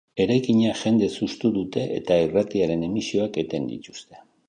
Eraikina jendez hustu dute eta irratiaren emisioak eten dituzte.